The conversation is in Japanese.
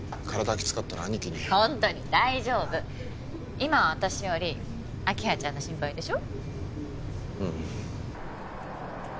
キツかったら兄貴にホントに大丈夫今は私より明葉ちゃんの心配でしょ？